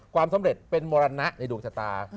ความสำเร็จเป็นมรณะในดวงชะตา